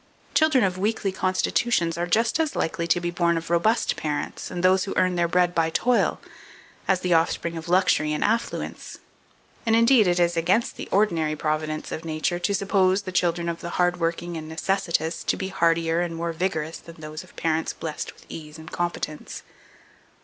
Children of weakly constitutions are just as likely to be born of robust parents, and those who earn their bread by toil, as the offspring of luxury and affluence; and, indeed, it is against the ordinary providence of Nature to suppose the children of the hardworking and necessitous to be hardier and more vigorous than those of parents blessed with ease and competence.